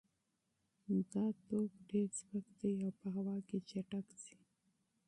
دا توپ ډېر سپک دی او په هوا کې چټک ځي.